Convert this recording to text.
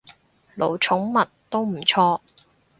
奴寵物，都唔錯